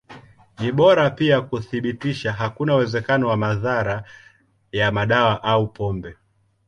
Ni bora pia kuthibitisha hakuna uwezekano wa madhara ya madawa au pombe.